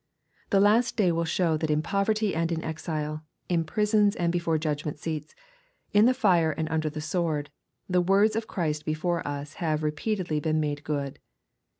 The last day will show that in poverty and in exile, — in prisons and before judgment seats, — in the fire and under the sword, — the words of Christ before us have repeatedly been made good.